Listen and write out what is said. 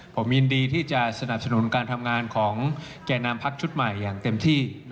ผมยินดีที่จะสนับสนุนการทำงานของแก่นำพักชุดใหม่อย่างเต็มที่